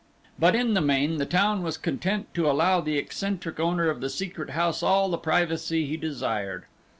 But in the main the town was content to allow the eccentric owner of the Secret House all the privacy he desired.